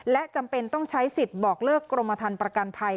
และจำเป็นต้องใช้สิทธิ์บอกเลิกกรมฐานประกันภัย